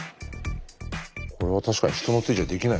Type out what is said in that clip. これは確かに人の手じゃできない。